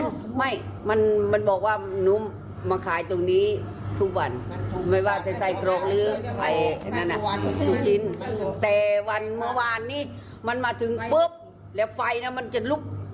แต่วันเมื่อวันนี้มันมาถึงปุ๊บไฟจะลุกเครื่องอย่างงี้